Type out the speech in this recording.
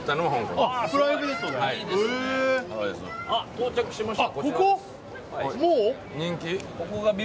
到着しました。